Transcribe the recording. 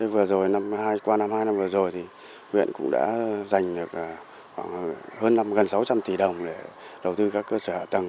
vừa rồi qua năm hai năm vừa rồi huyện cũng đã dành được gần sáu trăm linh tỷ đồng để đầu tư các cơ sở hạ tầng